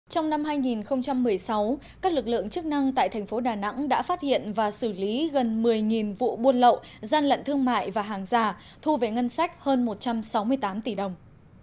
trong năm hai nghìn một mươi sáu các lực lượng chức năng tại thành phố đà nẵng đã phát hiện và xử lý gần một mươi vụ buôn lậu gian lận thương mại và hàng giả thu về ngân sách hơn một trăm sáu mươi tám tỷ đồng